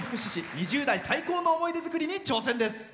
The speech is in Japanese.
２０代最高の思い出作りに挑戦です。